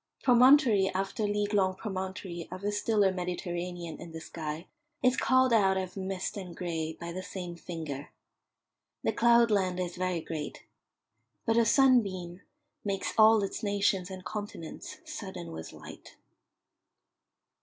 Promontory after league long promontory of a stiller Mediterranean in the sky is called out of mist and grey by the same finger. The cloudland is very great, but a sunbeam makes all its nations and continents sudden with light.